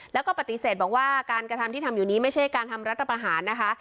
แล้วก็ปฏิเสธบอกว่าการกระทำที่ทำอยู่นี้ไม่ใช่การทำรัฐประหารนะคะ